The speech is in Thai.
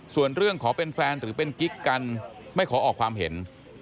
ส่วนเรื่องขอเป็นแฟนหรือเป็นกิ๊กกันไม่ขอออกความเห็น